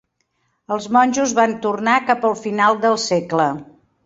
Els monjos van tornar cap al final del segle.